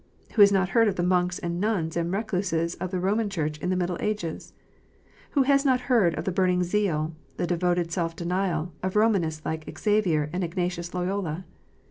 Who has not heard of the monks and nuns and recluses of the Romish Church in the middle ages ? Who has not heard of the burning zeal, the devoted self denial, of Romanists like Xavier and Ignatius Loyola?